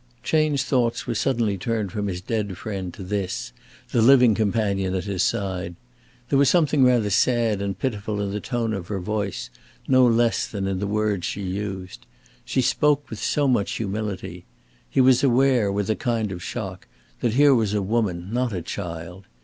Chayne's thoughts were suddenly turned from his dead friend to this, the living companion at his side. There was something rather sad and pitiful in the tone of her voice, no less than in the words she used. She spoke with so much humility. He was aware with a kind of shock, that here was a woman, not a child.